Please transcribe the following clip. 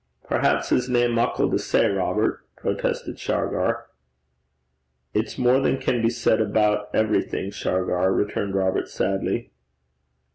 'Perhaps is nae muckle to say, Robert,' protested Shargar. 'It's more than can be said about everything, Shargar,' returned Robert, sadly.